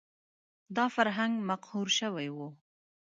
دا فرهنګ مقهور شوی و